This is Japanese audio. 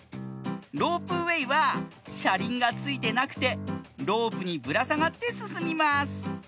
ロープウエーはしゃりんがついてなくてロープにぶらさがってすすみます。